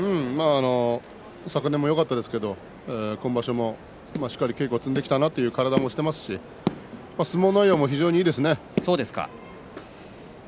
昨年もよかったですけれど、今場所もしっかり稽古を積んできたなという体もしていますしそうですか。